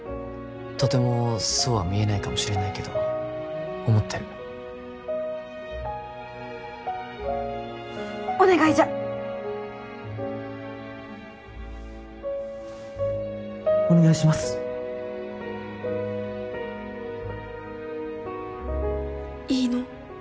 とてもそうは見えないかもしれないけど思ってるお願いじゃっお願いしますいいの？